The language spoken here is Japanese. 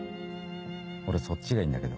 俺そっちがいいんだけど。